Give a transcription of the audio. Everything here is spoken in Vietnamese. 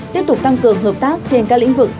tiếp tục tăng cường hợp tác trên các lĩnh vực